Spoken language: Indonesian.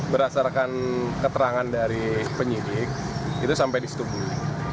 berdasarkan keterangan dari penyidik itu sampai di setubuh